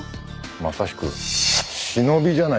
まさしく忍びじゃないですか。